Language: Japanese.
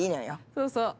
そうそう。